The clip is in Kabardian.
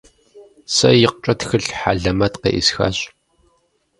Сэ икъукӀэ тхылъ хьэлэмэт къеӀысхащ.